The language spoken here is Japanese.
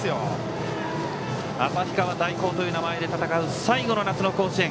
旭川大高という名前で戦う最後の夏の甲子園。